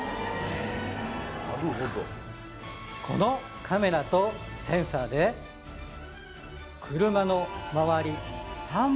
このカメラとセンサーで車の周り